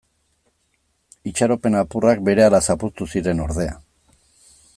Itxaropen apurrak berehala zapuztu ziren ordea.